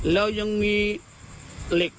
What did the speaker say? แล้วยังมีเหล็ก